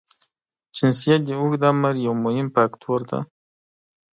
جنسیت د اوږد عمر یو مهم فاکټور دی.